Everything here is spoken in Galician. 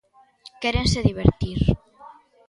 Quérense divertir.